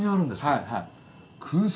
はいはい。